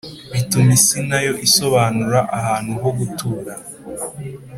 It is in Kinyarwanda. bituma isi nayo isobanura ahantu ho gutura,